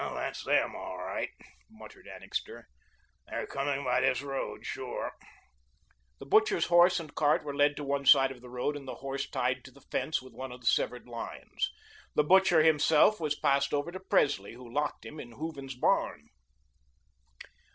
"That's them, all right," muttered Annixter. "They're coming by this road, sure." The butcher's horse and cart were led to one side of the road, and the horse tied to the fence with one of the severed lines. The butcher, himself, was passed over to Presley, who locked him in Hooven's barn.